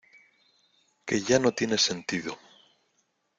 que ya no tiene sentido